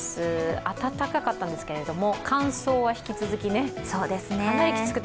暖かかったんですけども、乾燥は引き続きかなりきつくて。